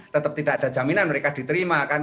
tetap tidak ada jaminan mereka diterima kan